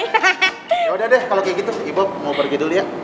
yaudah deh kalo kayak gitu ibuk mau pergi dulu ya